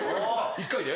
１回で？